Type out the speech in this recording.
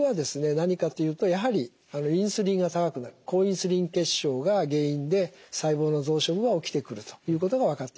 何かって言うとやはりインスリンが高くなる高インスリン血症が原因で細胞の増殖が起きてくるということが分かっていますね。